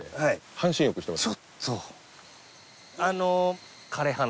半身浴してます